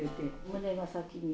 胸が先に。